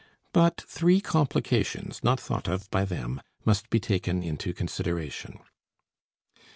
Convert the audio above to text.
But three complications, not thought of by them, must be taken into consideration.